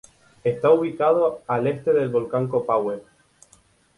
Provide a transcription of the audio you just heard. Está ubicado al este del volcán Copahue.